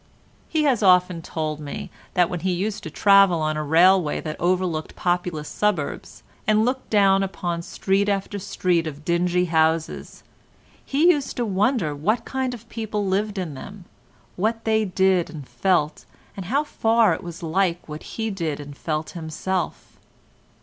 He has often told me that when he used to travel on a railway that overlooked populous suburbs, and looked down upon street after street of dingy houses, he used to wonder what kind of people lived in them, what they did and felt, and how far it was like what he did and felt himself.